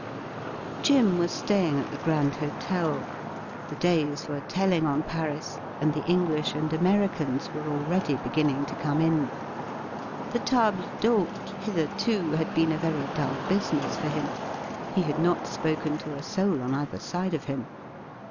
Jim was staying at the Grand Hotel. The days were telling on Paris, and the English and Americans were already beginning to come in. The table cThote hitherto had been a very dull business for him. He had not spoken to a soul on either side of him.